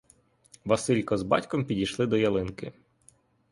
Василько з батьком підійшли до ялинки.